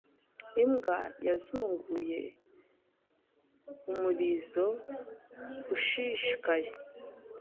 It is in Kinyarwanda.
Imbwa yazunguye umurizo ushishikaye.